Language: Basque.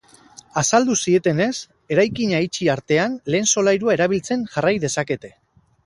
Azaldu zietenez, eraikina itxi artean, lehen solairua erabiltzen jarrai dezakete.